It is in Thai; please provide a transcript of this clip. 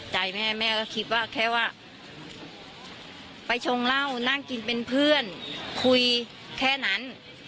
ใจแม่แม่ก็คิดว่าแค่ว่าไปชงเหล้านั่งกินเป็นเพื่อนคุยแค่นั้น